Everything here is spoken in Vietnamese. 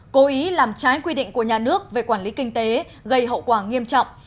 cố ý làm trái quy định của nhà nước về quản lý kinh tế gây hậu quả nghiêm trọng